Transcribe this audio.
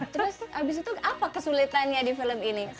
terus abis itu apa kesulitannya di film ini